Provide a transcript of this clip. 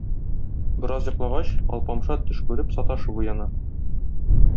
Бераз йоклагач, Алпамша төш күреп, саташып уяна.